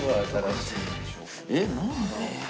えっ何だ？